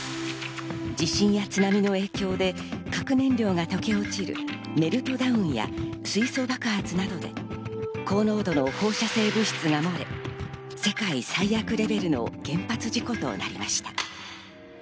地震や津波の影響で核燃料が溶け落ちるメルトダウンや、水素爆発などで高濃度の放射性物質が漏れ、世界最悪レベルの原発事故となりました。